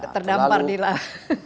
terdampar di laut